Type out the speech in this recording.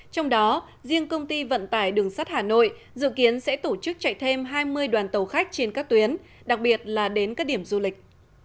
trong đó riêng công ty vận tải đường sắt hà nội dự kiến sẽ tổ chức chạy thêm hai mươi đoàn tàu khách trên các tuyến đặc biệt là đến các điểm du lịch